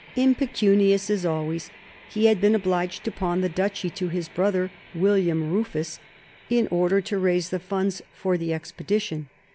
Impecunious as always, he had been obliged to pawn the duchy to his brother William Rufus in order to raise the funds for the expedition.